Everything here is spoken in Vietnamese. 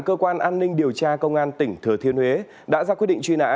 cơ quan an ninh điều tra công an tỉnh thừa thiên huế đã ra quyết định truy nã